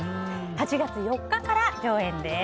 ８月４日から上演です。